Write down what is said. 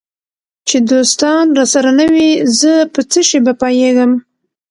چي دوستان راسره نه وي زه په څشي به پایېږم